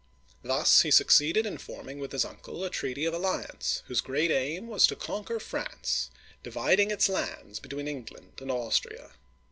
Thus he succeeded in forming with his uncle a treaty of alliance, whose great aim was to conquer France, dividing its lands between England and Austria.